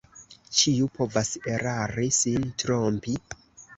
Ĉiu povas erari, sin trompi...